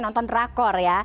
nonton drakor ya